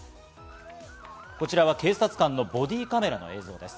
こちらは警察官のボディーカメラの映像です。